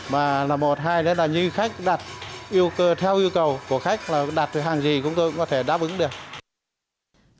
mà là một hai đấy là như khách đặt theo yêu cầu của khách là đặt hàng gì cũng có thể đáp ứng được